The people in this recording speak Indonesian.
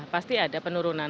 pasti ada penurunan